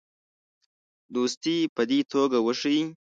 دوستي په دې توګه وښیي.